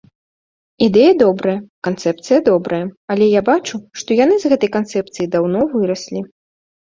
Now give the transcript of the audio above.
Ідэя добрая, канцэпцыя добрая, але я бачу, што яны з гэтай канцэпцыі даўно выраслі.